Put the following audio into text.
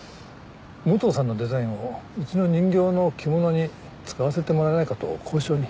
武藤さんのデザインをうちの人形の着物に使わせてもらえないかと交渉に。